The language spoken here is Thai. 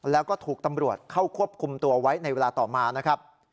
แล้วก็ถูกตำรวจเข้าควบคุมตัวไว้ในเวลาต่อมานะครับ